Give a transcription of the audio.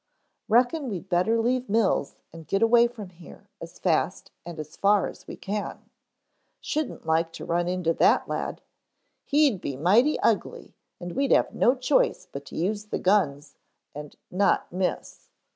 "Reckon we'd better leave Mills and get away from here as fast and as far as we can. Shouldn't like to run into that lad he'd be mighty ugly and we'd have no choice but to use the guns and not miss."